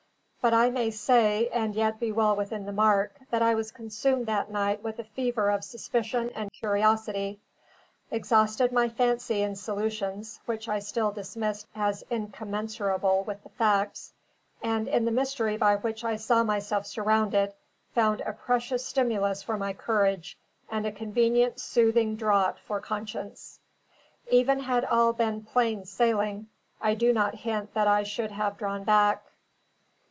But I may say, and yet be well within the mark, that I was consumed that night with a fever of suspicion and curiosity; exhausted my fancy in solutions, which I still dismissed as incommensurable with the facts; and in the mystery by which I saw myself surrounded, found a precious stimulus for my courage and a convenient soothing draught for conscience. Even had all been plain sailing, I do not hint that I should have drawn back.